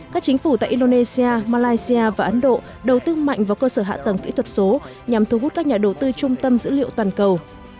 các chính phủ tại indonesia malaysia và ấn độ đầu tư mạnh vào cơ sở hạ tầng kỹ thuật số nhằm thu hút các nhà đầu tư trung tâm dữ liệu toàn cầu